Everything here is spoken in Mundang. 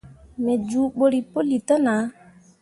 Me juubǝrri puli te nah.